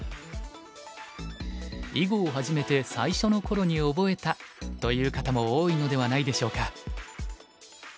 囲碁を始めて最初の頃に覚えたという方も多いのではないでしょうか。